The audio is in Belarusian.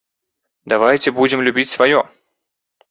Давайце будзем любіць сваё.